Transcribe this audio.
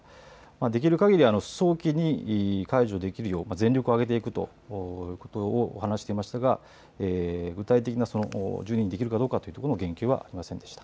できるかぎり早期に解除できるよう、全力を挙げていくとお話していましたが、具体的な１２日にできるかという言及はありませんでした。